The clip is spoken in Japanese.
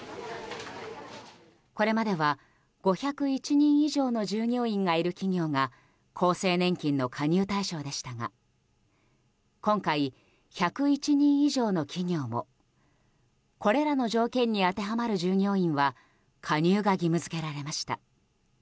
これまでは５０１人以上の従業員がいる企業が厚生年金の加入対象でしたが今回、１０１人以上の企業もこれらの条件に当てはまる従業員は加入が義務付けられました。